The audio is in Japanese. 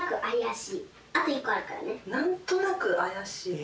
なんとなくあやしい？